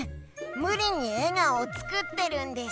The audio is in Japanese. むりに笑顔を作ってるんです。